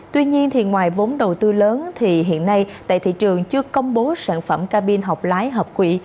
tuy nhiên ngoài vốn đầu tư lớn thì hiện nay tại thị trường chưa công bố sản phẩm cabin học lái hợp quỷ